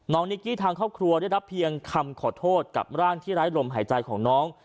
นิกกี้ทางครอบครัวได้รับเพียงคำขอโทษกับร่างที่ไร้ลมหายใจของน้อง